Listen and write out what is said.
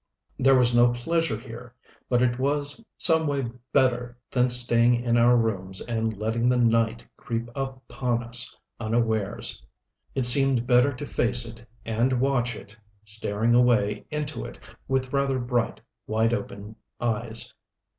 There was no pleasure here but it was some way better than staying in our rooms and letting the night creep upon us unawares. It seemed better to face it and watch it, staring away into it with rather bright, wide open eyes....